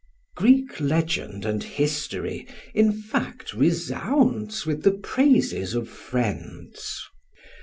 ] Greek legend and history, in fact, resounds with the praises of friends.